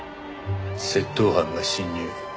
窃盗犯が侵入。